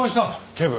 警部。